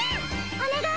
お願い